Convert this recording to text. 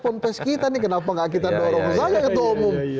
ponpes kita nih kenapa nggak kita dorong saja gitu omong